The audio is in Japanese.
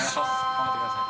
頑張ってください。